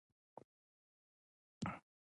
که خوله مې اخلې بسم الله که